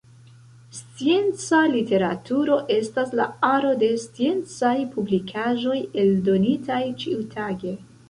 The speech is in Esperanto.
Scienca literaturo estas la aro de sciencaj publikaĵoj eldonitaj ĉiutage.